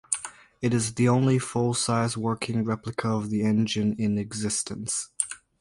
It is the only full-size working replica of the engine in existence.